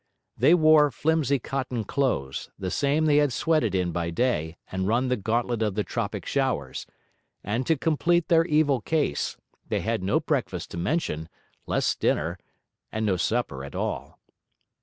They wore flimsy cotton clothes, the same they had sweated in by day and run the gauntlet of the tropic showers; and to complete their evil case, they had no breakfast to mention, less dinner, and no supper at all.